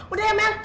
udah ya mel